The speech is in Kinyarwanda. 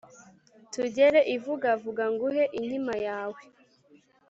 tugere ivugavuga nguhe inkima yawe